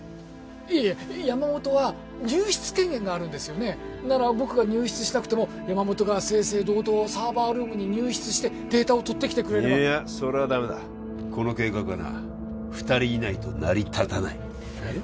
いやいや山本は入室権限があるんですよねなら僕が入室しなくても山本が正々堂々サーバールームに入室してデータを取ってきてくれればいいやそれはダメだこの計画はな２人いないと成り立たないえっ？